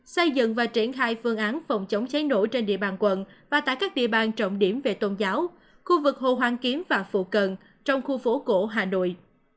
xây dựng và triển khai phương án phòng chống cháy nổ trên địa bàn quận và tại các địa bàn trọng điểm về tôn giáo khu vực hồ hoàn kiếm và phụ cận trong khu phố cổ hà nội